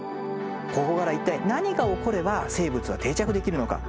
ここから一体何が起これば生物は定着できるのか。